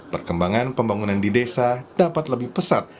perkembangan pembangunan di desa dapat lebih pesat